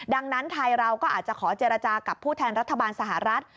ดังนั้นไทยเราก็อาจจะขอเจรจากับผู้แทนรัฐบาลสหรัฐ